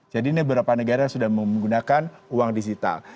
jadi ini beberapa negara yang sudah menggunakan uang digital